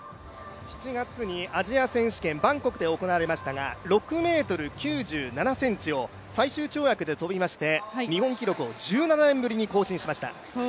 ７月にアジア選手権、バンコクで行われましたが６ｍ９７ｃｍを最終跳躍で跳びまして日本記録を１７年ぶりに更新しました。